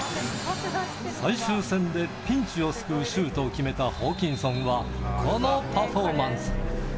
最終戦でピンチを救うシュートを決めたホーキンソンは、このパフォーマンス。